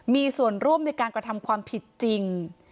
มีส่วนร่วมในการกระทำความผิดจริง